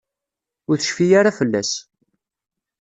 Ur tecfi ara fell-as.